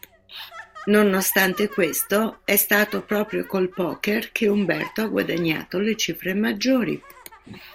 Nonostante questo, è stato proprio col poker che Humberto ha guadagnato le cifre maggiori.